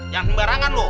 jangan sembarangan lo